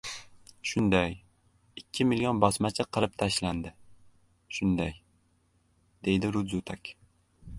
— Shunday, ikki milyon bosmachi qirib tashlandi, shunday, — deydi Rudzutak.